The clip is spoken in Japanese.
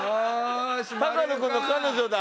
高野君の彼女だ！